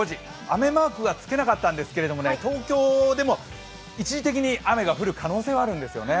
雨マークはつけなかったんですけれども東京でも一時的に雨が降る可能性があるんですよね。